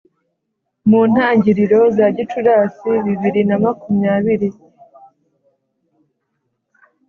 mu ntangiriro za Gicurasi bibiri na mukamyibiri.